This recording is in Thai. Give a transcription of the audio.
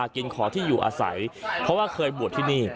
ขอที่อยู่อาศัยเพราะว่าเคยบวชที่นี่